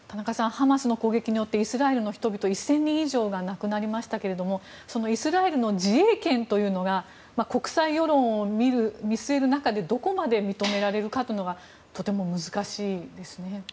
ハマスの攻撃によってイスラエルの人々１０００人以上が亡くなりましたけれどもそのイスラエルの自衛権というのが国際世論を見据える中でどこまで認められるかがとても難しいですよね。